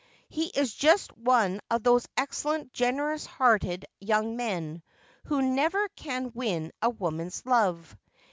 He is just one of those excellent, generous hearted young men who never can win a woman's love.